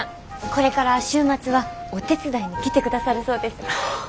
これから週末はお手伝いに来てくださるそうです。